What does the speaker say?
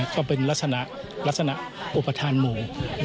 ก็เป็นลักษณะอุปทานหมู่